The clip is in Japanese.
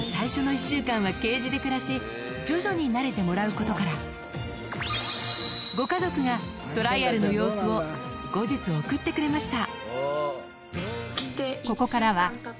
まず徐々に慣れてもらうことからご家族がトライアルの様子を後日送ってくれました